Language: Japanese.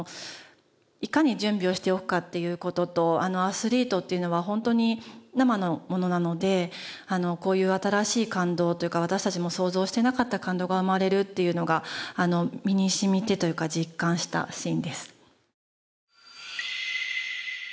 いかに準備をしておくかっていう事とアスリートっていうのは本当に生のものなのでこういう新しい感動というか私たちも想像していなかった感動が生まれるっていうのが身に染みてというか実感したシーンです。